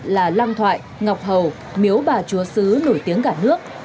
là lăng thoại ngọc hầu miếu bà chúa sứ nổi tiếng cả nước